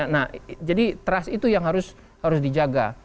nah jadi trust itu yang harus dijaga